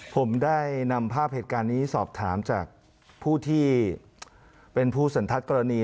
ผมได้นำภาพเหตุการณ์นี้สอบถามจากผู้ที่เป็นผู้สันทัศน์กรณี